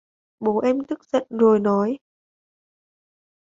bố em tức giận rồi nói